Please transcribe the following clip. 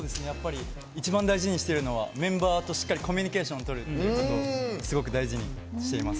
一番大事にしてるのはメンバーとしっかりコミュニケーションをとるということをすごく大事にしています。